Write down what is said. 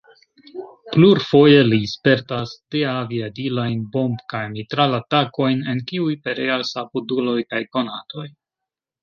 Plurfoje li spertas deaviadilajn bomb- kaj mitral-atakojn, en kiuj pereas apuduloj kaj konatoj.